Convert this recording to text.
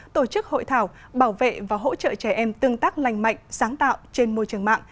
tổ chức hội thảo bảo vệ và hỗ trợ trẻ em tương tác lành mạnh sáng tạo trên môi trường mạng